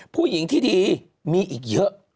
ผู้หญิงที่ดีมีอีกเยอะ